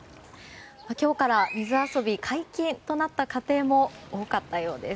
今日から水遊びが解禁となった家庭も多かったようです。